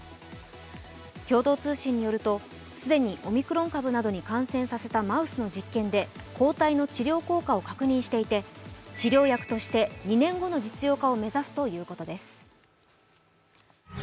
共同通信によると既にオミクロン株などに感染させたマウスの実験で抗体の治療効果を確認していて治療薬として２年後の実用化を目指すということです。